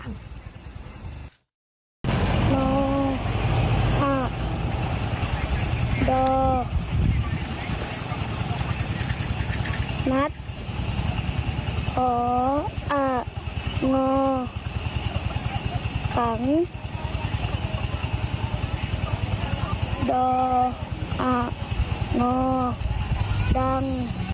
อ่านขันดออ่านอดัน